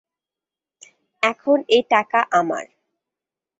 এখন এ টাকা আমার।